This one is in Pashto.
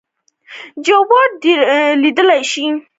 جوار ډیرې اوبه غواړي.